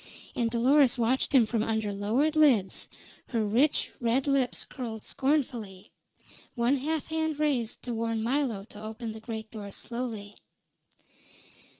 And Dolores watched him from under lowered lids, her rich red lips curled scornfully, one hand half raised to warn Milo to open the great door slowly.